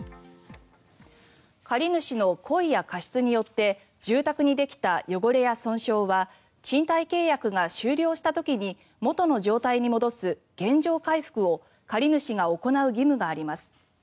借り主の故意や過失によって住宅にできた汚れや損傷は賃貸契約が終了した時に元の状態に戻す原状回復を借り主が行う義務があります。